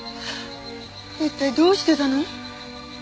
一体どうしてたの？